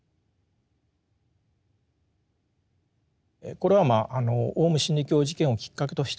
これはまああのオウム真理教事件をきっかけとしてですね